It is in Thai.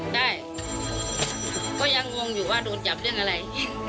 ใช่ก็ยังงงอยู่ว่าโดนจับเรื่องอะไร